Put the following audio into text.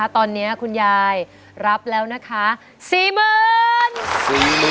ตอนนี้คุณยายรับแล้วนะคะ๔๐๐๐บาท